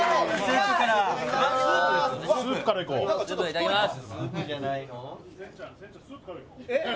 いただきます。